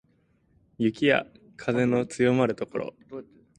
雪や風の強まる所